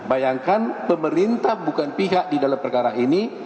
bayangkan pemerintah bukan pihak di dalam perkara ini